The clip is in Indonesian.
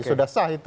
sudah sah itu